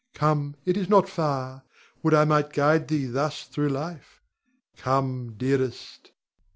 Come, it is not far. Would I might guide thee thus through life! Come, dearest!